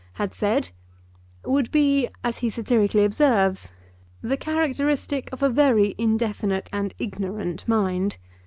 had said, would be, as he satirically observes, 'the characteristic of a very indefinite and ignorant mind.